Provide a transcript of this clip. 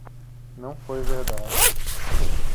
Não foi verdade.